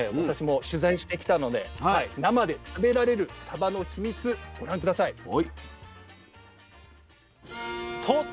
私も取材してきたので生で食べられるサバのヒミツご覧下さい。